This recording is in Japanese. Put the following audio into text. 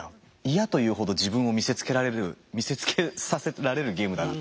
嫌というほど自分を見せつけられる見せつけさせられるゲームだなと思う。